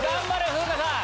風花さん。